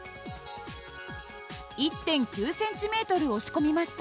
１．９ｃｍ押し込みました。